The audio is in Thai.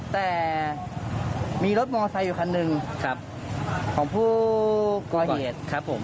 แต่มีรถมอไซอยู่คันนึงของผู้กอเฮด